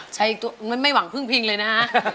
ใช้อีกตัวไม่หวังพึ่งพิงเลยนะ